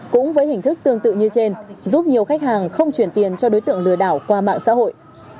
cũng với hình thức tương tự như trên giúp nhiều khách hàng không chuyển tiền cho đối tượng lừa đảo qua mạng xã hội